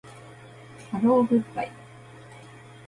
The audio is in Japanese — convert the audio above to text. ハローグッバイ